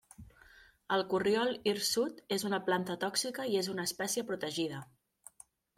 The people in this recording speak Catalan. El corriol hirsut és una planta tòxica i és una espècie protegida.